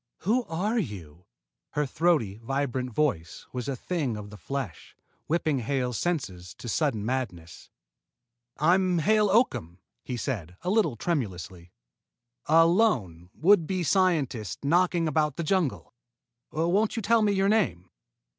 "Who are you?" Her throaty, vibrant voice was a thing of the flesh, whipping Hale's senses to sudden madness. "I'm Hale Oakham," he said, a little tremulously, "a lone, would be scientist knocking about the jungle. Won't you tell me your name?"